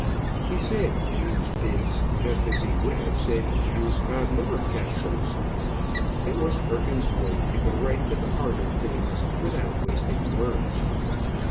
He said "Use Biggs" just as he would have said "Use Codliver Capsules." It was Perkins's way to go right to the heart of things without wasting words.